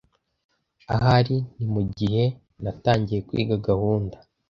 Ahari ni mugihe natangiye kwiga gahunda.